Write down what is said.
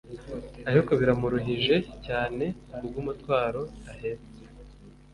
ariko biramuruhije cyane, ku bw’umutwaro ahetse